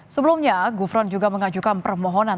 sebelumnya gufron juga mengajukan permohonan